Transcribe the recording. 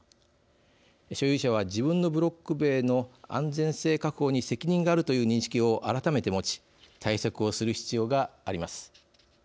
所有者は自分のブロック塀の安全性確保に責任があるという認識を改めて持ち対策をする必要があります。